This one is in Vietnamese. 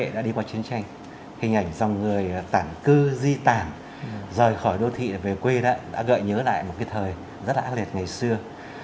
đã đi qua chiến tranh hình ảnh dòng người tản cư di tản rời khỏi đô thị về quê đã gợi nhớ lại một cái thời rất ác liệt ngày xưa